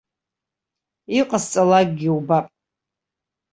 Иҟасҵалакгьы убап.